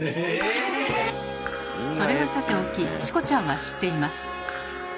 ⁉それはさておきチコちゃんは知っています。